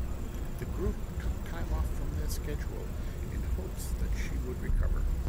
The group took time off from their schedule in hopes that she would recover.